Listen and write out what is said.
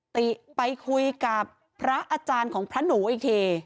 ติไปคุยกับพระอาจารย์ของพระหนูอีกที